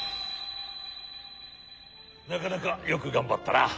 なかなかよくがんばったな。